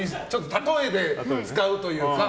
例えで使うというか。